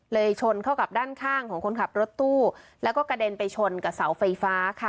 ชนเข้ากับด้านข้างของคนขับรถตู้แล้วก็กระเด็นไปชนกับเสาไฟฟ้าค่ะ